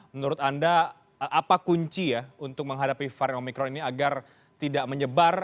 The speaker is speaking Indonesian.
menurut anda apa kunci ya untuk menghadapi varian omikron ini agar tidak menyebar